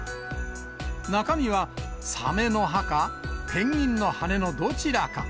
中身は、サメの歯か、ペンギンの羽根のどちらか。